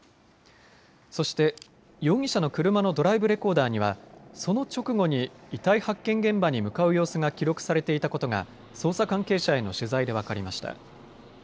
そして容疑者の車のドライブレコーダーにはその直後に遺体発見現場に向かう様子が記録されていたことが捜査関係者への取材で分かりました。